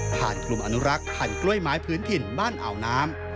ผ่านกลุ่มอนุรักษ์ผ่านกล้วยไม้พื้นถิ่นบ้านอาวน้ำ